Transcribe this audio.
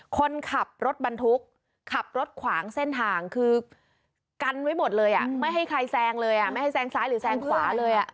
คนขับรถบรรทุกขับรถขวางเส้นทางคือกันไว้หมดเลยอ่ะไม่ให้ใครแซงเลยไม่ให้แซงซ้ายหรือแซงขวาเลย